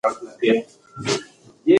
موټر چلونکی په خپل ذهن کې د کلي کوڅې لټوي.